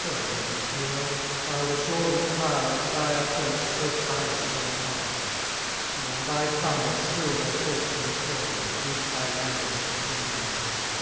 Go, injured hero! while the shores of Tyre At thy approach so silent shall admire, Who on thy thunder still their thoughts employ, And greet thy landing with a trembling joy!